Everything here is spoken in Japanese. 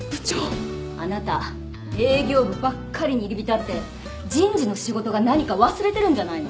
あなた営業部ばっかりに入り浸って人事の仕事が何か忘れてるんじゃないの？